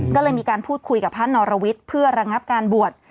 ก็เลยมีการพูดคุยกับพระนรวิทย์เพื่อระงับการบวช